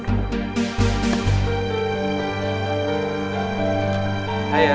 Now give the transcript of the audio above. gak ada yang mau nanya